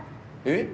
えっ？